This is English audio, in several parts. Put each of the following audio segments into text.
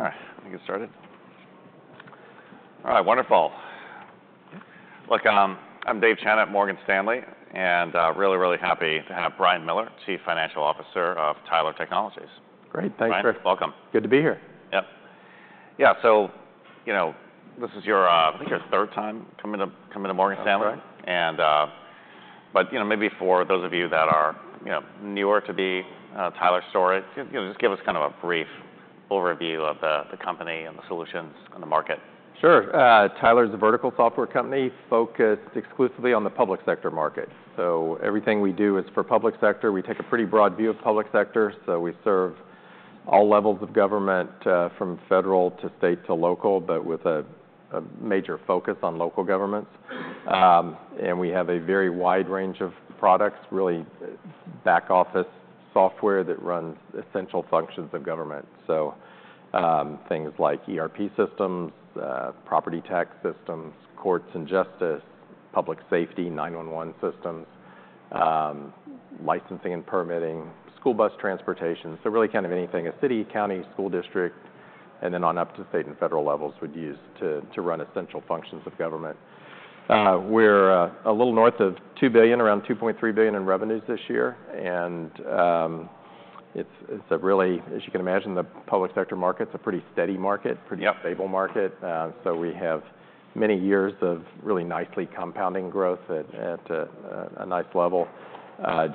All right. Let me get started. All right. Wonderful. Look, I'm Dave Chen at Morgan Stanley, and really, really happy to have Brian Miller, Chief Financial Officer of Tyler Technologies. Great. Thanks, Brian. All right. Welcome. Good to be here. Yep. Yeah. So, you know, this is, I think, your third time coming to Morgan Stanley. That's right. But, you know, maybe for those of you that are newer to the Tyler story, just give us kind of a brief overview of the company and the solutions and the market. Sure. Tyler is a vertical software company focused exclusively on the public sector market. So everything we do is for public sector. We take a pretty broad view of public sector. So we serve all levels of government, from federal to state to local, but with a major focus on local governments. And we have a very wide range of products, really back-office software that runs essential functions of government. So things like ERP systems, property tax systems, courts and justice, public safety 911 systems, licensing and permitting, school bus transportation. So really kind of anything: a city, county, school district, and then on up to state and federal levels would use to run essential functions of government. We're a little north of $2 billion, around $2.3 billion in revenues this year. It's a really, as you can imagine, the public sector market's a pretty steady market, pretty stable market. So we have many years of really nicely compounding growth at a nice level,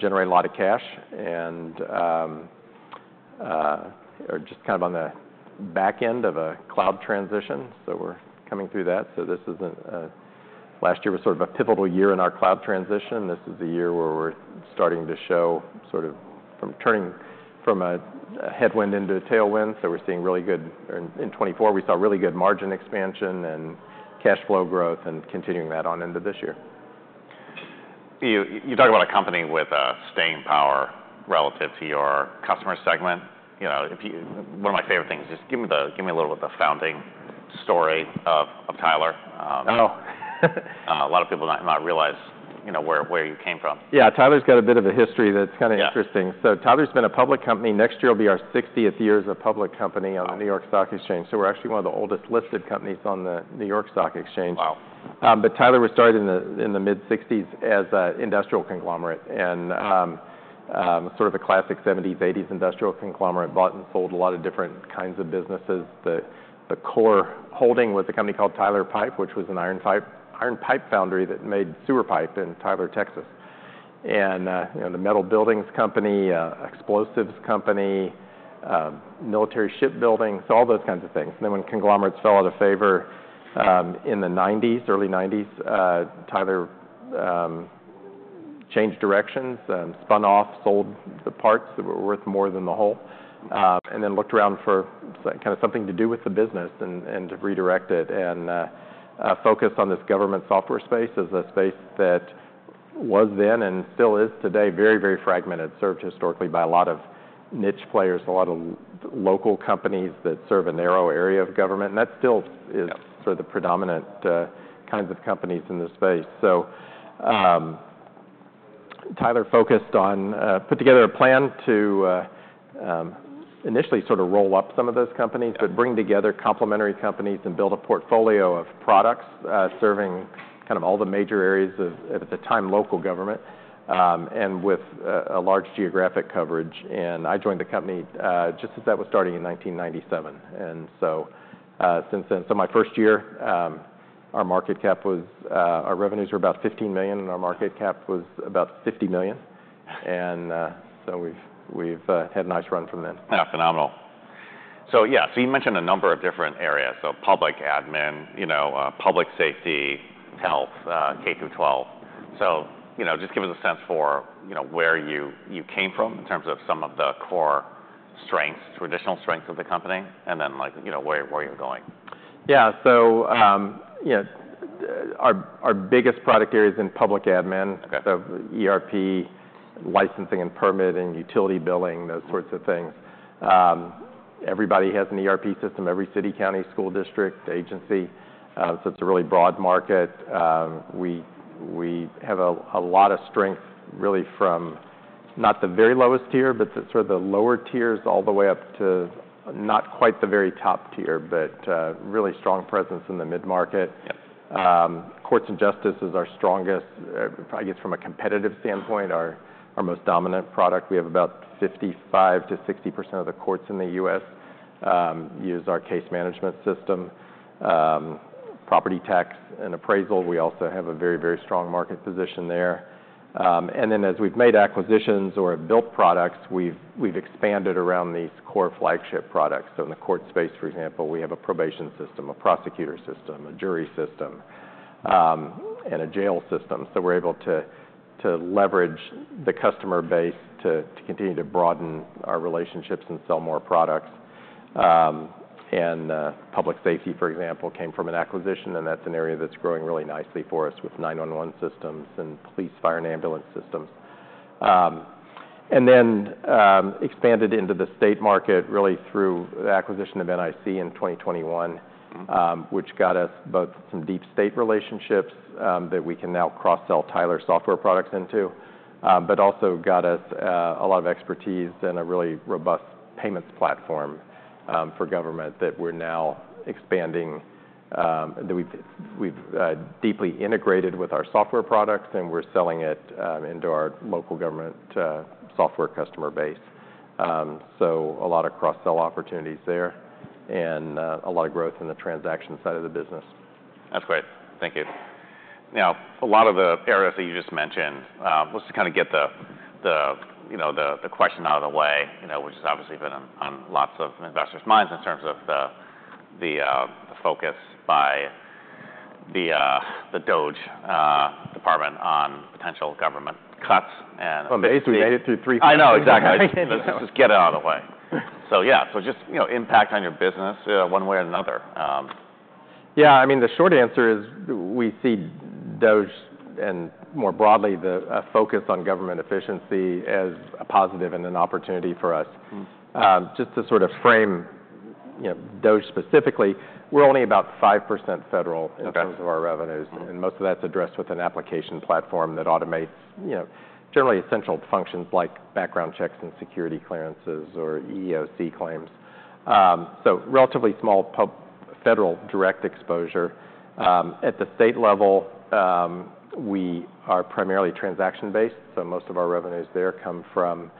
generating a lot of cash, and are just kind of on the back end of a cloud transition. So we're coming through that. So this isn't. Last year was sort of a pivotal year in our cloud transition. This is a year where we're starting to show sort of from turning from a headwind into a tailwind. So we're seeing really good, or in 2024, we saw really good margin expansion and cash flow growth and continuing that on into this year. You talk about a company with staying power relative to your customer segment. You know, one of my favorite things is just give me a little bit of the founding story of Tyler. Oh. A lot of people might not realize where you came from. Yeah. Tyler's got a bit of a history that's kind of interesting. So Tyler's been a public company. Next year will be our 60th year as a public company on the New York Stock Exchange. So we're actually one of the oldest listed companies on the New York Stock Exchange. Wow. But Tyler was started in the mid-'60s as an industrial conglomerate and sort of a classic '70s, '80s industrial conglomerate, bought and sold a lot of different kinds of businesses. The core holding was a company called Tyler Pipe, which was an iron pipe foundry that made sewer pipe in Tyler, Texas, and the metal buildings company, explosives company, military shipbuilding, so all those kinds of things. And then when conglomerates fell out of favor in the '90s, early '90s, Tyler changed directions, spun off, sold the parts that were worth more than the whole, and then looked around for kind of something to do with the business and to redirect it and focus on this government software space as a space that was then and still is today very, very fragmented, served historically by a lot of niche players, a lot of local companies that serve a narrow area of government. And that still is sort of the predominant kinds of companies in this space. So Tyler focused on, put together a plan to initially sort of roll up some of those companies, but bring together complementary companies and build a portfolio of products serving kind of all the major areas of, at the time, local government and with a large geographic coverage. I joined the company just as that was starting in 1997. Since then, my first year, our market cap was, our revenues were about $15 million, and our market cap was about $50 million. We've had a nice run from then. Yeah. Phenomenal. So yeah. So you mentioned a number of different areas. So public admin, public safety, health, K-12. So just give us a sense for where you came from in terms of some of the core strengths, traditional strengths of the company, and then where you're going. Yeah, so our biggest product area is in public admin, so ERP, licensing and permit, and utility billing, those sorts of things. Everybody has an ERP system, every city, county, school district, agency. So it's a really broad market. We have a lot of strength really from not the very lowest tier, but sort of the lower tiers all the way up to not quite the very top tier, but really strong presence in the mid-market. Courts and justice is our strongest, I guess from a competitive standpoint, our most dominant product. We have about 55%-60% of the courts in the U.S. use our case management system, property tax and appraisal. We also have a very, very strong market position there, and then as we've made acquisitions or built products, we've expanded around these core flagship products. So in the court space, for example, we have a probation system, a prosecutor system, a jury system, and a jail system. So we're able to leverage the customer base to continue to broaden our relationships and sell more products. And public safety, for example, came from an acquisition, and that's an area that's growing really nicely for us with 911 systems and police, fire, and ambulance systems. And then expanded into the state market really through the acquisition of NIC in 2021, which got us both some deep state relationships that we can now cross-sell Tyler software products into, but also got us a lot of expertise and a really robust payments platform for government that we're now expanding, that we've deeply integrated with our software products, and we're selling it into our local government software customer base. So a lot of cross-sell opportunities there and a lot of growth in the transaction side of the business. That's great. Thank you. Now, a lot of the areas that you just mentioned, let's just kind of get the question out of the way, which has obviously been on lots of investors' minds in terms of the focus by the DOGE department on potential government cuts and. At least we made it through three quarters. I know. Exactly. Let's just get it out of the way. So yeah. So just impact on your business one way or another. Yeah. I mean, the short answer is we see DOGE and more broadly the focus on government efficiency as a positive and an opportunity for us. Just to sort of frame DOGE specifically, we're only about 5% federal in terms of our revenues, and most of that's addressed with an application platform that automates generally essential functions like background checks and security clearances or EEOC claims. So relatively small federal direct exposure. At the state level, we are primarily transaction-based. So most of our revenues there come from,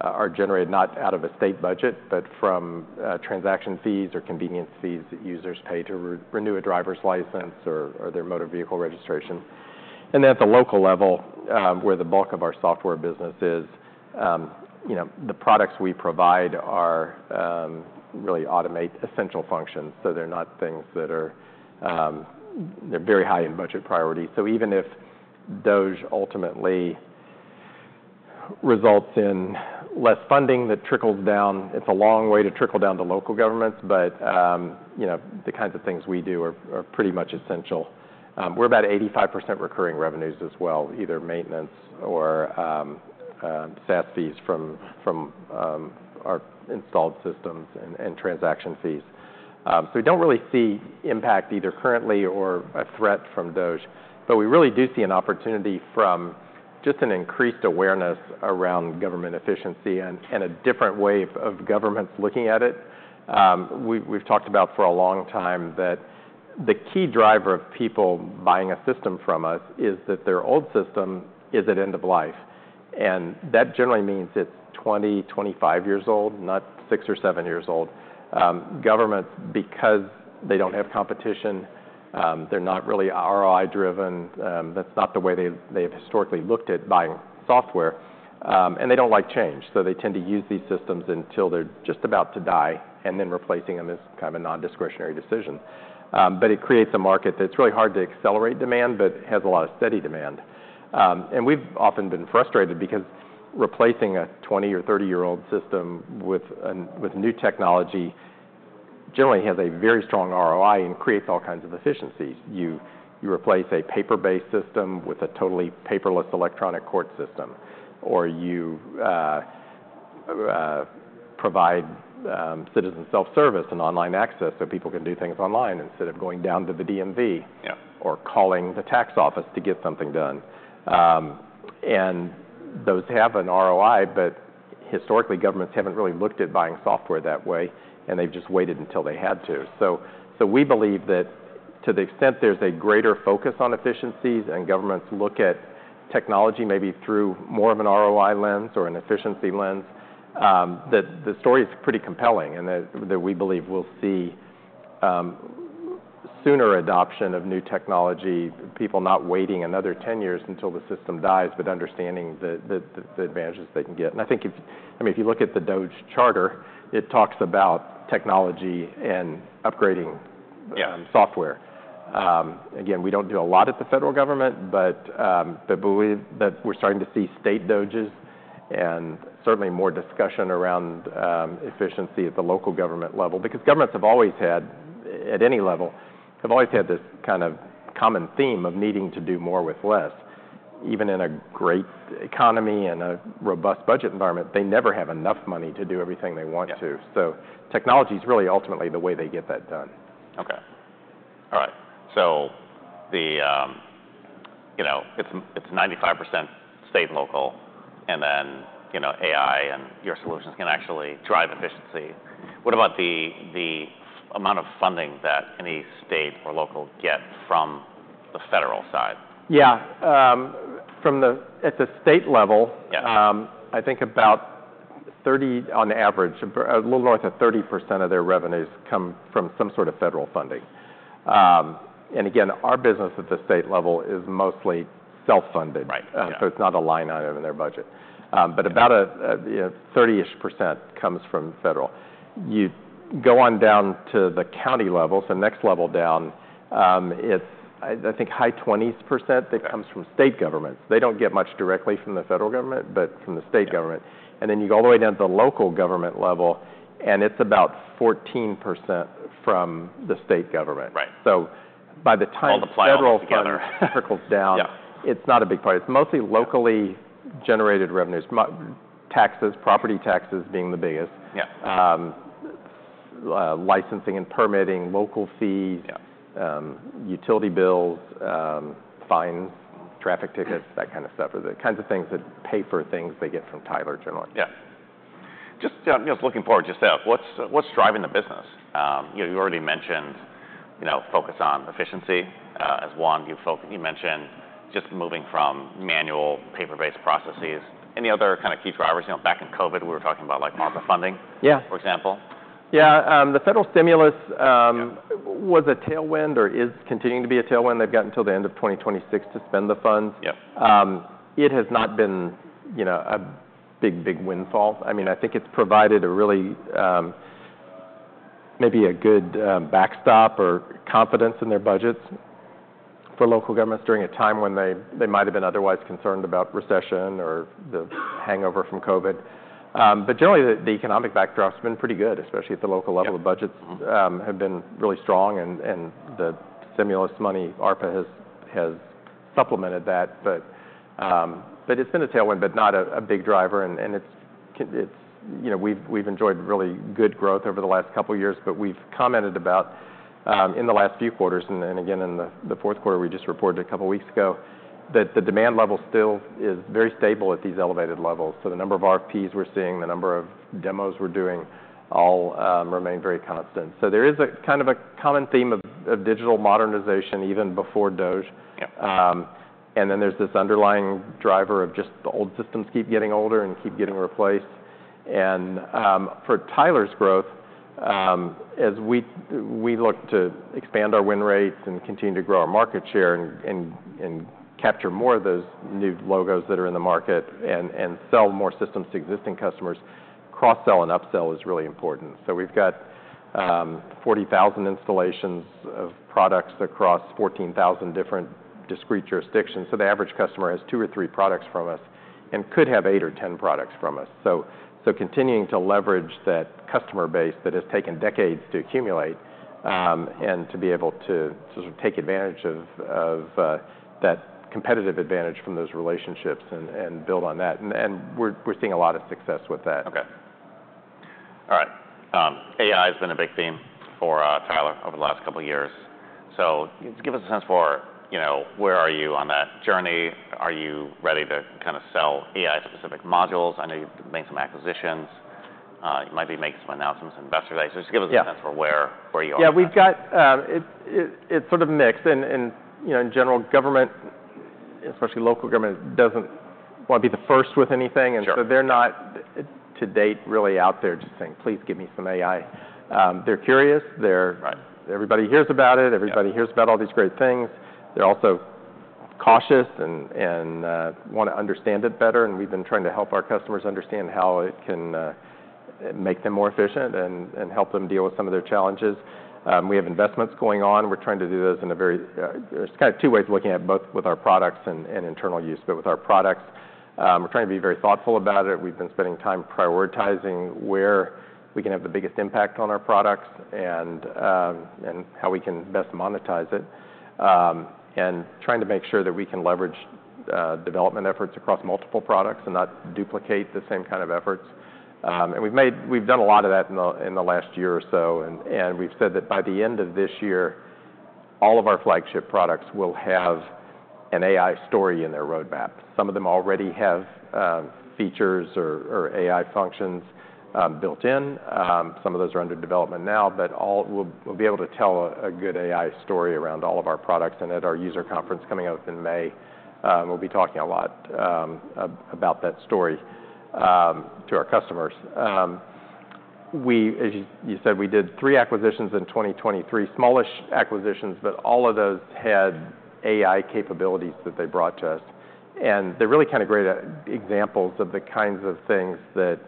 are generated not out of a state budget, but from transaction fees or convenience fees that users pay to renew a driver's license or their motor vehicle registration. And then at the local level, where the bulk of our software business is, the products we provide really automate essential functions. So they're not things that are very high in budget priority. So even if DOGE ultimately results in less funding that trickles down, it's a long way to trickle down to local governments, but the kinds of things we do are pretty much essential. We're about 85% recurring revenues as well, either maintenance or SaaS fees from our installed systems and transaction fees. So we don't really see impact either currently or a threat from DOGE, but we really do see an opportunity from just an increased awareness around government efficiency and a different way of governments looking at it. We've talked about for a long time that the key driver of people buying a system from us is that their old system is at end of life. And that generally means it's 20, 25 years old, not six or seven years old. Governments, because they don't have competition, they're not really ROI-driven. That's not the way they have historically looked at buying software. And they don't like change. So they tend to use these systems until they're just about to die, and then replacing them is kind of a non-discretionary decision. But it creates a market that's really hard to accelerate demand, but has a lot of steady demand. And we've often been frustrated because replacing a 20 or 30-year-old system with new technology generally has a very strong ROI and creates all kinds of efficiencies. You replace a paper-based system with a totally paperless electronic court system, or you provide citizen self-service and online access so people can do things online instead of going down to the DMV or calling the tax office to get something done. And those have an ROI, but historically, governments haven't really looked at buying software that way, and they've just waited until they had to. So we believe that to the extent there's a greater focus on efficiencies and governments look at technology maybe through more of an ROI lens or an efficiency lens, that the story is pretty compelling and that we believe we'll see sooner adoption of new technology, people not waiting another 10 years until the system dies, but understanding the advantages they can get. And I think, I mean, if you look at the DOGE charter, it talks about technology and upgrading software. Again, we don't do a lot at the federal government, but we believe that we're starting to see state DOGEs and certainly more discussion around efficiency at the local government level because governments have always had, at any level, have always had this kind of common theme of needing to do more with less. Even in a great economy and a robust budget environment, they never have enough money to do everything they want to. So technology is really ultimately the way they get that done. It's 95% state and local, and then AI and your solutions can actually drive efficiency. What about the amount of funding that any state or local get from the federal side? Yeah. At the state level, I think about 30 on average, a little north of 30% of their revenues come from some sort of federal funding. And again, our business at the state level is mostly self-funded. So it's not a line item in their budget. But about a 30-ish % comes from federal. You go on down to the county level, so next level down, it's I think high 20s % that comes from state governments. They don't get much directly from the federal government, but from the state government. And then you go all the way down to the local government level, and it's about 14% from the state government. So by the time the federal fund trickles down, it's not a big part. It's mostly locally generated revenues, taxes, property taxes being the biggest, licensing and permitting, local fees, utility bills, fines, traffic tickets, that kind of stuff, the kinds of things that pay for things they get from Tyler generally. Yeah. Just looking forward to say, what's driving the business? You already mentioned focus on efficiency as one. You mentioned just moving from manual paper-based processes. Any other kind of key drivers? Back in COVID, we were talking about market funding, for example. Yeah. The federal stimulus was a tailwind or is continuing to be a tailwind. They've got until the end of 2026 to spend the funds. It has not been a big, big windfall. I mean, I think it's provided a really, maybe a good backstop or confidence in their budgets for local governments during a time when they might have been otherwise concerned about recession or the hangover from COVID. But generally, the economic backdrop has been pretty good, especially at the local level. The budgets have been really strong, and the stimulus money, ARPA, has supplemented that. But it's been a tailwind, but not a big driver. We've enjoyed really good growth over the last couple of years, but we've commented about in the last few quarters, and again, in the fourth quarter we just reported a couple of weeks ago, that the demand level still is very stable at these elevated levels. The number of RFPs we're seeing, the number of demos we're doing all remain very constant. There is a kind of a common theme of digital modernization even before DOGE. Then there's this underlying driver of just the old systems keep getting older and keep getting replaced. For Tyler's growth, as we look to expand our win rates and continue to grow our market share and capture more of those new logos that are in the market and sell more systems to existing customers, cross-sell and upsell is really important. So we've got 40,000 installations of products across 14,000 different discrete jurisdictions. So the average customer has two or three products from us and could have eight or 10 products from us. So continuing to leverage that customer base that has taken decades to accumulate and to be able to sort of take advantage of that competitive advantage from those relationships and build on that. And we're seeing a lot of success with that. Okay. All right. AI has been a big theme for Tyler over the last couple of years. So give us a sense for where are you on that journey? Are you ready to kind of sell AI-specific modules? I know you've made some acquisitions. You might be making some announcements on investor days. So just give us a sense for where you are? Yeah. It's sort of mixed, and in general, government, especially local government, doesn't want to be the first with anything, and so they're not to date really out there just saying, "Please give me some AI." They're curious. Everybody hears about it. Everybody hears about all these great things. They're also cautious and want to understand it better, and we've been trying to help our customers understand how it can make them more efficient and help them deal with some of their challenges. We have investments going on. We're trying to do those. There's kind of two ways of looking at it, both with our products and internal use, but with our products. We're trying to be very thoughtful about it. We've been spending time prioritizing where we can have the biggest impact on our products and how we can best monetize it and trying to make sure that we can leverage development efforts across multiple products and not duplicate the same kind of efforts. And we've done a lot of that in the last year or so. And we've said that by the end of this year, all of our flagship products will have an AI story in their roadmap. Some of them already have features or AI functions built in. Some of those are under development now, but we'll be able to tell a good AI story around all of our products. And at our user conference coming up in May, we'll be talking a lot about that story to our customers. As you said, we did three acquisitions in 2023, smallish acquisitions, but all of those had AI capabilities that they brought to us. And they're really kind of great examples of the kinds of things that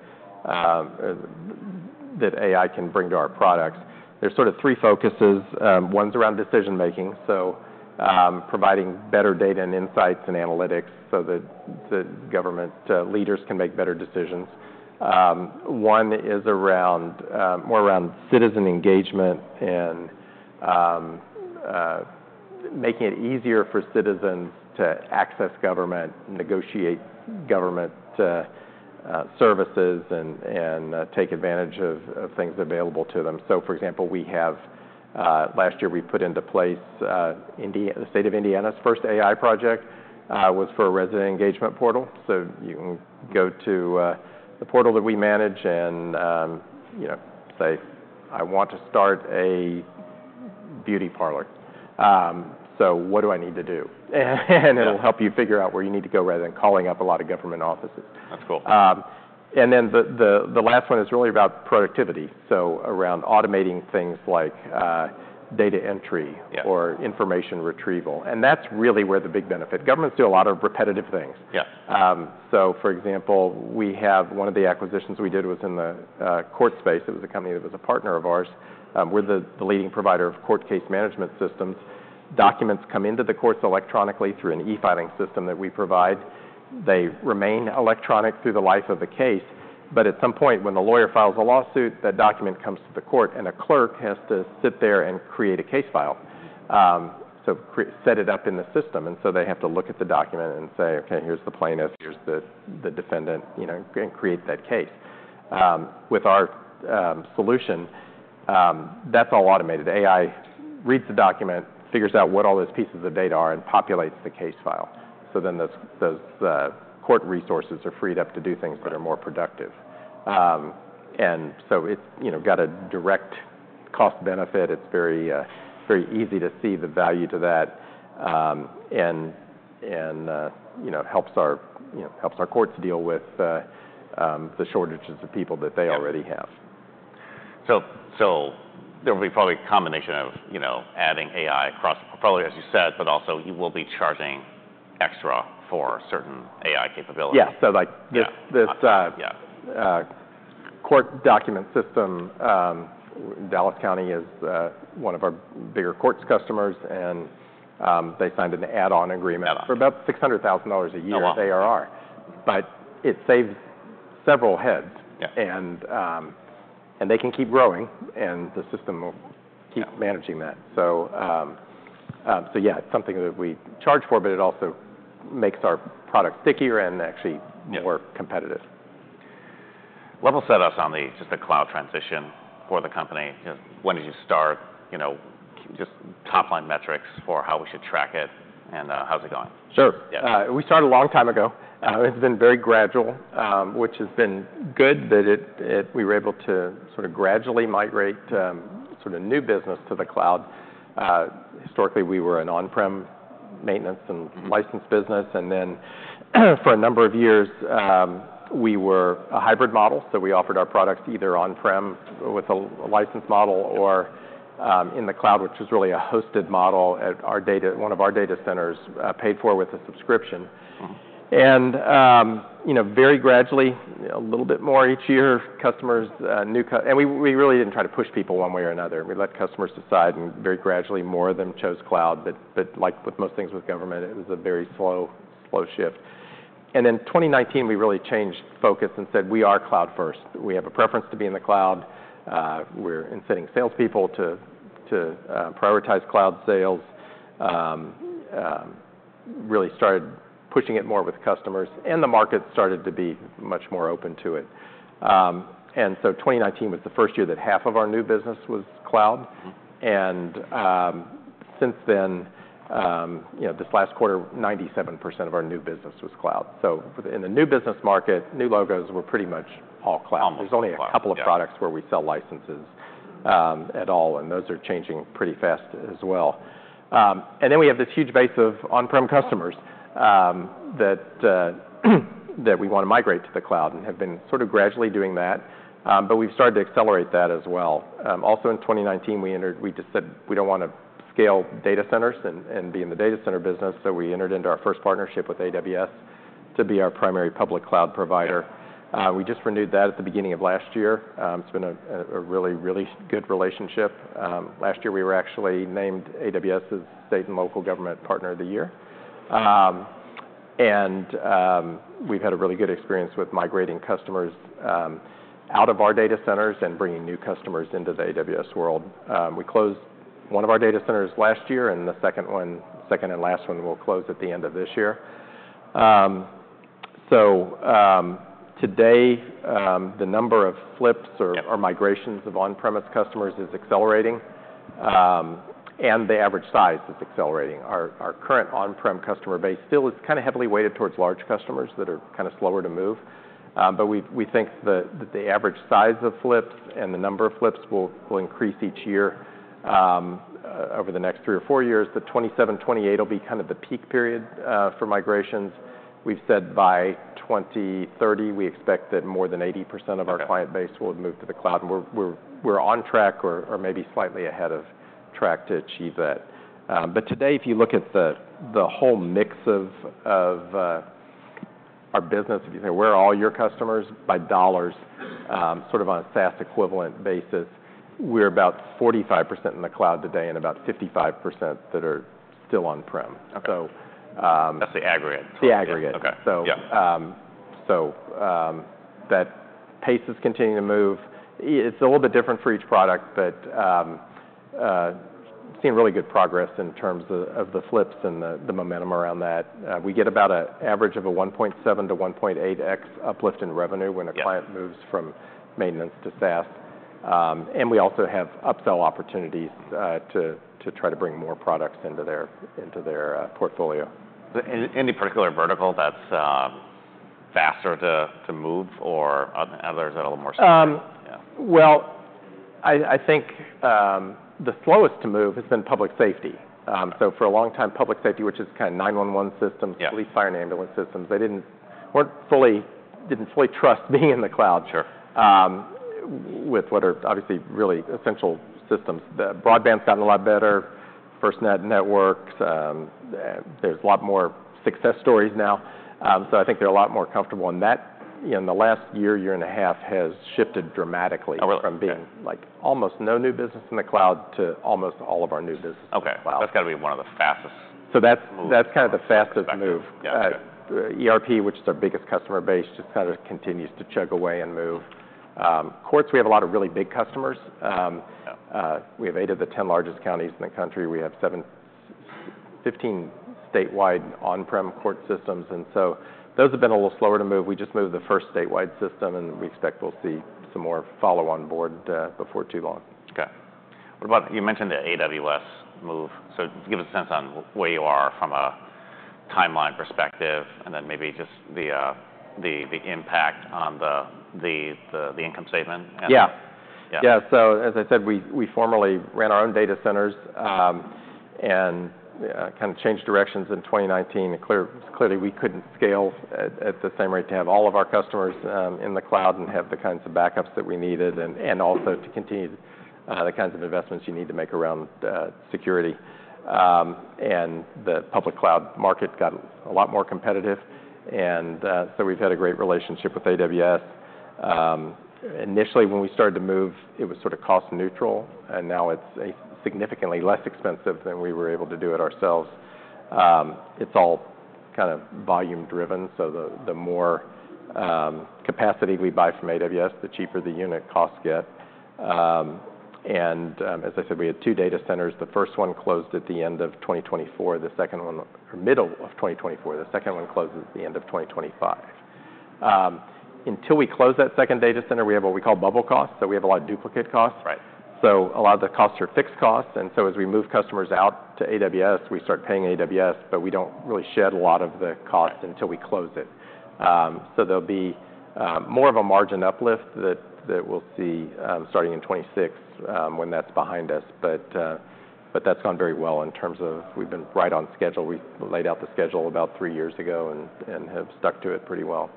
AI can bring to our products. There's sort of three focuses. One's around decision-making, so providing better data and insights and analytics so that government leaders can make better decisions. One is more around citizen engagement and making it easier for citizens to access government, negotiate government services, and take advantage of things available to them. So for example, last year, we put into place the state of Indiana's first AI project was for a resident engagement portal. So you can go to the portal that we manage and say, "I want to start a beauty parlor. So what do I need to do?" And it'll help you figure out where you need to go rather than calling up a lot of government offices. That's cool. And then the last one is really about productivity, so around automating things like data entry or information retrieval. And that's really where the big benefit. Governments do a lot of repetitive things. So for example, one of the acquisitions we did was in the court space. It was a company that was a partner of ours. We're the leading provider of court case management systems. Documents come into the courts electronically through an e-filing system that we provide. They remain electronic through the life of the case. But at some point, when the lawyer files a lawsuit, that document comes to the court, and a clerk has to sit there and create a case file. So set it up in the system. And so they have to look at the document and say, "Okay, here's the plaintiff, here's the defendant," and create that case. With our solution, that's all automated. AI reads the document, figures out what all those pieces of data are, and populates the case file. So then those court resources are freed up to do things that are more productive. And so it's got a direct cost benefit. It's very easy to see the value to that and helps our courts deal with the shortages of people that they already have. So there will be probably a combination of adding AI across, probably as you said, but also you will be charging extra for certain AI capabilities. Yeah. So this court document system, Dallas County is one of our bigger courts' customers, and they signed an add-on agreement for about $600,000 a year with ARR. But it saves several heads, and they can keep growing, and the system will keep managing that. So yeah, it's something that we charge for, but it also makes our product stickier and actually more competitive. Level set us on just the cloud transition for the company. When did you start? Just top-line metrics for how we should track it, and how's it going? Sure. We started a long time ago. It's been very gradual, which has been good that we were able to sort of gradually migrate sort of new business to the cloud. Historically, we were an on-prem maintenance and licensed business. And then for a number of years, we were a hybrid model. So we offered our products either on-prem with a licensed model or in the cloud, which was really a hosted model. One of our data centers paid for with a subscription. And very gradually, a little bit more each year, customers and we really didn't try to push people one way or another. We let customers decide, and very gradually, more of them chose cloud. But like with most things with government, it was a very slow shift. And in 2019, we really changed focus and said, "We are cloud-first. We have a preference to be in the cloud. We're incenting salespeople to prioritize cloud sales." Really started pushing it more with customers, and the market started to be much more open to it, and so 2019 was the first year that half of our new business was cloud, and since then, this last quarter, 97% of our new business was cloud, so in the new business market, new logos were pretty much all cloud. There's only a couple of products where we sell licenses at all, and those are changing pretty fast as well, and then we have this huge base of on-prem customers that we want to migrate to the cloud and have been sort of gradually doing that, but we've started to accelerate that as well. Also in 2019, we just said we don't want to scale data centers and be in the data center business. So we entered into our first partnership with AWS to be our primary public cloud provider. We just renewed that at the beginning of last year. It's been a really, really good relationship. Last year, we were actually named AWS's state and local government partner of the year. And we've had a really good experience with migrating customers out of our data centers and bringing new customers into the AWS world. We closed one of our data centers last year, and the second and last one will close at the end of this year. So today, the number of flips or migrations of on-premise customers is accelerating, and the average size is accelerating. Our current on-prem customer base still is kind of heavily weighted towards large customers that are kind of slower to move. But we think that the average size of flips and the number of flips will increase each year over the next three or four years. The 2027, 2028 will be kind of the peak period for migrations. We've said by 2030, we expect that more than 80% of our client base will have moved to the cloud. And we're on track or maybe slightly ahead of track to achieve that. But today, if you look at the whole mix of our business, if you say, "Where are all your customers?" by dollars, sort of on a SaaS equivalent basis, we're about 45% in the cloud today and about 55% that are still on-prem. That's the aggregate. The aggregate. So that pace is continuing to move. It's a little bit different for each product, but seeing really good progress in terms of the flips and the momentum around that. We get about an average of a 1.7-1.8x uplift in revenue when a client moves from maintenance to SaaS. And we also have upsell opportunities to try to bring more products into their portfolio. Is there any particular vertical that's faster to move, or are there a little more? Well, I think the slowest to move has been public safety. So for a long time, public safety, which is kind of 911 systems, police, fire, and ambulance systems, they didn't fully trust being in the cloud with what are obviously really essential systems. Broadband's gotten a lot better, FirstNet networks. There's a lot more success stories now. So I think they're a lot more comfortable in that. In the last year, year and a half, has shifted dramatically from being almost no new business in the cloud to almost all of our new business in the cloud. Okay. That's got to be one of the fastest. So that's kind of the fastest move. ERP, which is our biggest customer base, just kind of continues to chug away and move. Courts, we have a lot of really big customers. We have eight of the ten largest counties in the country. We have 15 statewide on-prem court systems. And so those have been a little slower to move. We just moved the first statewide system, and we expect we'll see some more follow-on board before too long. Okay. You mentioned the AWS move. So give us a sense on where you are from a timeline perspective and then maybe just the impact on the income statement. Yeah. Yeah. So as I said, we formerly ran our own data centers and kind of changed directions in 2019. Clearly, we couldn't scale at the same rate to have all of our customers in the cloud and have the kinds of backups that we needed and also to continue the kinds of investments you need to make around security. And the public cloud market got a lot more competitive. And so we've had a great relationship with AWS. Initially, when we started to move, it was sort of cost neutral. And now it's significantly less expensive than we were able to do it ourselves. It's all kind of volume-driven. So the more capacity we buy from AWS, the cheaper the unit costs get. And as I said, we had two data centers. The first one closed at the end of 2024. The first one in the middle of 2024. The second one closes at the end of 2025. Until we close that second data center, we have what we call bubble costs. So we have a lot of duplicate costs. So a lot of the costs are fixed costs. And so as we move customers out to AWS, we start paying AWS, but we don't really shed a lot of the costs until we close it. So there'll be more of a margin uplift that we'll see starting in 2026 when that's behind us. But that's gone very well in terms of we've been right on schedule. We laid out the schedule about three years ago and have stuck to it pretty well.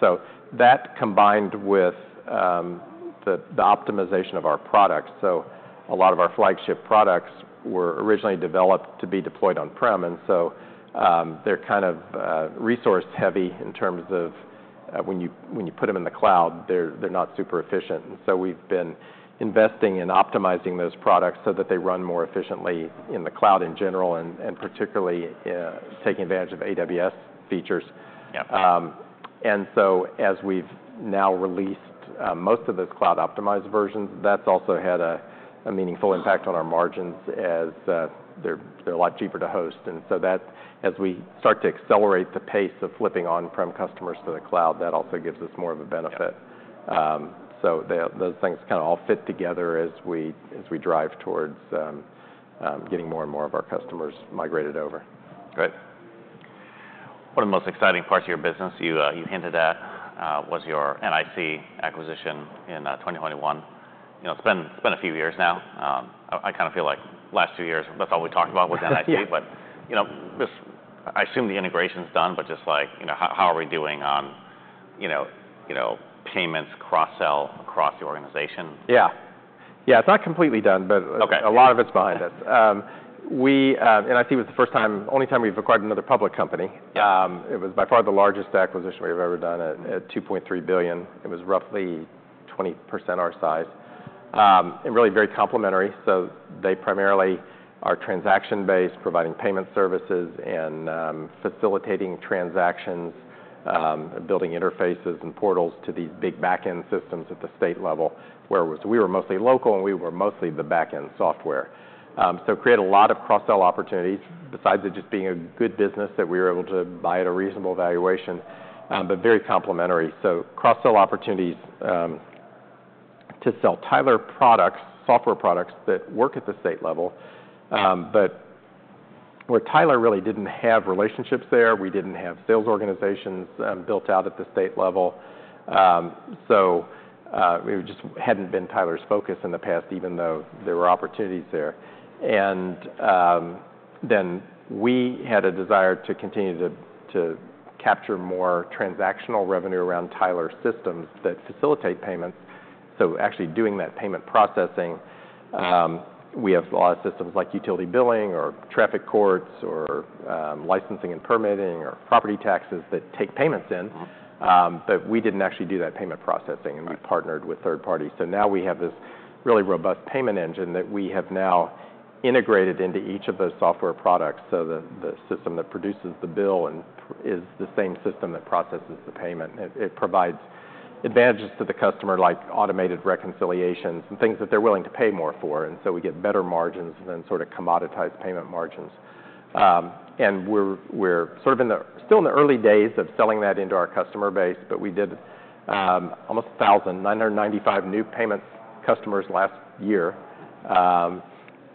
So that combined with the optimization of our products. So a lot of our flagship products were originally developed to be deployed on-prem. And so they're kind of resource-heavy in terms of when you put them in the cloud, they're not super efficient. And so we've been investing in optimizing those products so that they run more efficiently in the cloud in general and particularly taking advantage of AWS features. And so as we've now released most of those cloud-optimized versions, that's also had a meaningful impact on our margins as they're a lot cheaper to host. And so as we start to accelerate the pace of flipping on-prem customers to the cloud, that also gives us more of a benefit. So those things kind of all fit together as we drive towards getting more and more of our customers migrated over. Great. One of the most exciting parts of your business you hinted at was your NIC acquisition in 2021. It's been a few years now. I kind of feel like last few years, that's all we talked about was NIC. But I assume the integration's done, but just how are we doing on payments cross-sell across the organization? Yeah. Yeah. It's not completely done, but a lot of it's behind us. NIC was the first time, only time we've acquired another public company. It was by far the largest acquisition we've ever done at $2.3 billion. It was roughly 20% our size and really very complementary, so they primarily are transaction-based, providing payment services and facilitating transactions and building interfaces and portals to these big back-end systems at the state level where we were mostly local and we were mostly the back-end software, so [it] create a lot of cross-sell opportunities besides it just being a good business that we were able to buy at a reasonable valuation, but very complementary, so cross-sell opportunities to sell Tyler products, software products that work at the state level, but where Tyler really didn't have relationships there. We didn't have sales organizations built out at the state level. So it just hadn't been Tyler's focus in the past, even though there were opportunities there. And then we had a desire to continue to capture more transactional revenue around Tyler systems that facilitate payments. So actually doing that payment processing, we have a lot of systems like utility billing or traffic courts or licensing and permitting or property taxes that take payments in. But we didn't actually do that payment processing, and we partnered with third parties. So now we have this really robust payment engine that we have now integrated into each of those software products. So the system that produces the bill is the same system that processes the payment. It provides advantages to the customer like automated reconciliations and things that they're willing to pay more for. And so we get better margins and then sort of commoditized payment margins. And we're sort of still in the early days of selling that into our customer base, but we did almost 1,995 new payments customers last year.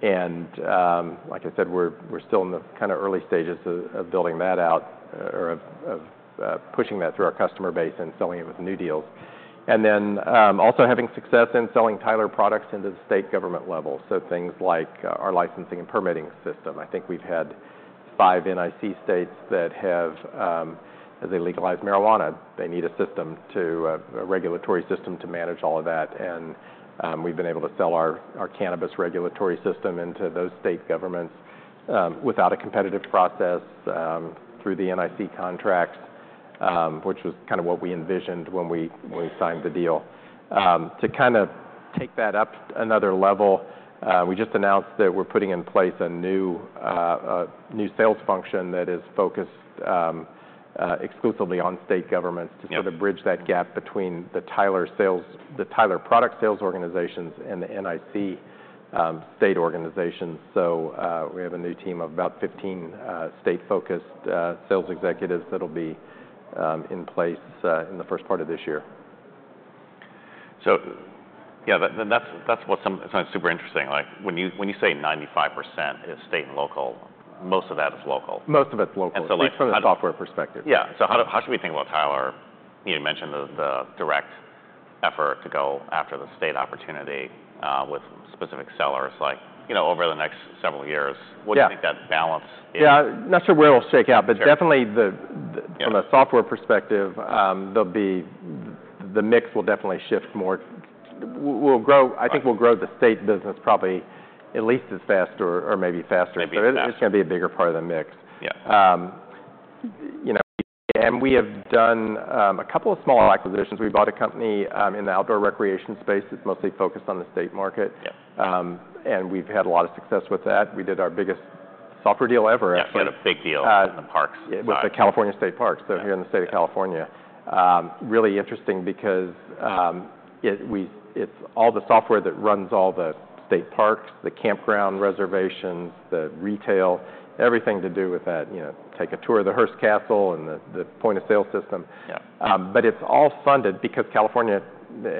And like I said, we're still in the kind of early stages of building that out or of pushing that through our customer base and selling it with new deals. And then also having success in selling Tyler products into the state government level. So things like our licensing and permitting system. I think we've had five NIC states that have, as they legalize marijuana, they need a system, a regulatory system to manage all of that. And we've been able to sell our cannabis regulatory system into those state governments without a competitive process through the NIC contracts, which was kind of what we envisioned when we signed the deal. To kind of take that up another level, we just announced that we're putting in place a new sales function that is focused exclusively on state governments to sort of bridge that gap between the Tyler product sales organizations and the NIC state organizations. So we have a new team of about 15 state-focused sales executives that'll be in place in the first part of this year. So yeah, that's what sounds super interesting. When you say 95% is state and local, most of that is local. Most of it's local. Like. At least from the software perspective. Yeah. So how should we think about Tyler? You mentioned the direct effort to go after the state opportunity with specific sellers over the next several years. What do you think that balance is? Yeah. Not sure where it'll shake out, but definitely from a software perspective, the mix will definitely shift more. I think we'll grow the state business probably at least as fast or maybe faster, but it's going to be a bigger part of the mix. And we have done a couple of small acquisitions. We bought a company in the outdoor recreation space that's mostly focused on the state market. And we've had a lot of success with that. We did our biggest software deal ever at. Yeah, a big deal in the parks. With the California State Parks, so here in the state of California, really interesting because it's all the software that runs all the state parks, the campground reservations, the retail, everything to do with that, take a tour of the Hearst Castle and the point of sale system, but it's all funded because California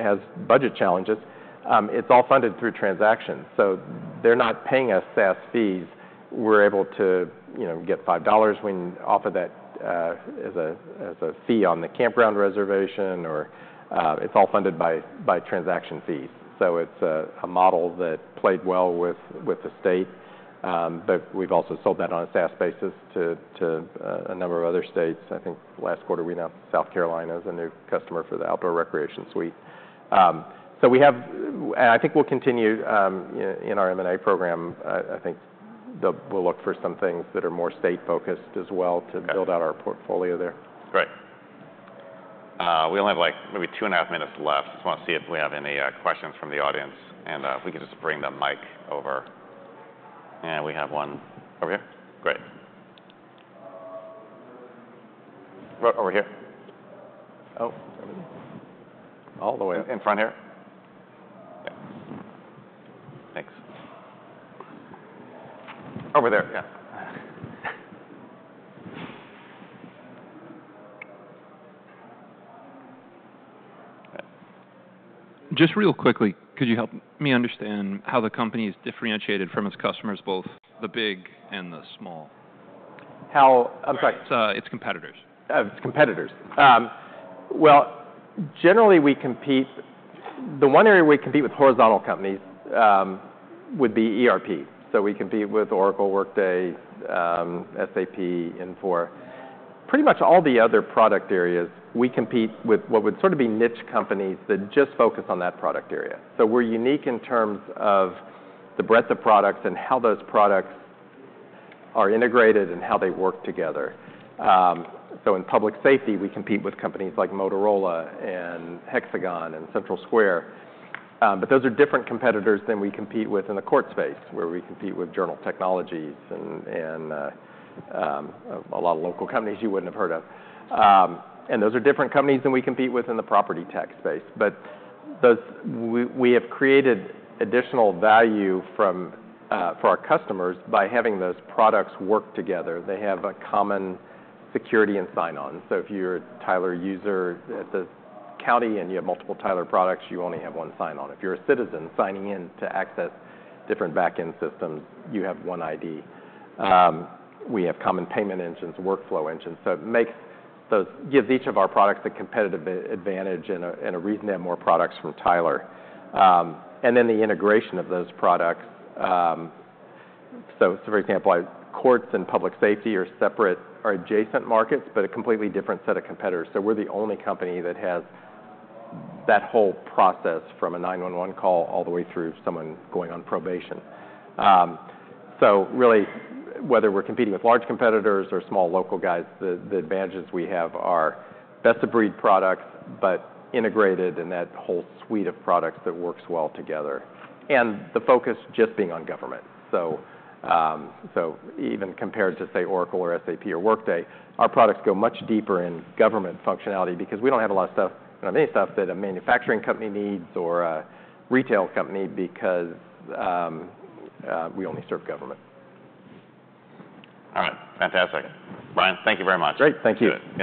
has budget challenges, it's all funded through transactions, so they're not paying us SaaS fees. We're able to get $5 when offered that as a fee on the campground reservation, or it's all funded by transaction fees, so it's a model that played well with the state, but we've also sold that on a SaaS basis to a number of other states. I think last quarter we announced South Carolina as a new customer for the Outdoor Recreation Suite, so we have, and I think we'll continue in our M&A program. I think we'll look for some things that are more state-focused as well to build out our portfolio there. Great. We only have maybe two and a half minutes left. I just want to see if we have any questions from the audience. And if we can just bring the mic over. And we have one over here. Great. Over here. Oh, everything? All the way up. In front here? Yeah. Thanks. Over there. Yeah. Just real quickly, could you help me understand how the company is differentiated from its customers, both the big and the small? How? I'm sorry. It's competitors. Oh, it's competitors. Well, generally, we compete. The one area we compete with horizontal companies would be ERP. So we compete with Oracle, Workday, SAP, Infor. Pretty much all the other product areas, we compete with what would sort of be niche companies that just focus on that product area. So we're unique in terms of the breadth of products and how those products are integrated and how they work together. So in public safety, we compete with companies like Motorola and Hexagon and CentralSquare. But those are different competitors than we compete with in the court space where we compete with Journal Technologies and a lot of local companies you wouldn't have heard of. And those are different companies than we compete with in the property tax space. But we have created additional value for our customers by having those products work together. They have a common security and sign-on. So if you're a Tyler user at the county and you have multiple Tyler products, you only have one sign-on. If you're a citizen signing in to access different back-end systems, you have one ID. We have common payment engines, workflow engines. So it gives each of our products a competitive advantage and a reason to have more products from Tyler. And then the integration of those products. So for example, courts and public safety are separate, are adjacent markets, but a completely different set of competitors. So we're the only company that has that whole process from a 911 call all the way through someone going on probation. So really, whether we're competing with large competitors or small local guys, the advantages we have are best-of-breed products, but integrated in that whole suite of products that works well together. And the focus just being on government. So even compared to, say, Oracle or SAP or Workday, our products go much deeper in government functionality because we don't have a lot of stuff, not many stuff that a manufacturing company needs or a retail company because we only serve government. All right. Fantastic. Brian, thank you very much. Great. Thank you.